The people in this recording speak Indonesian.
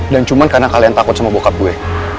dan cuma karena kalian takut sama bokap gue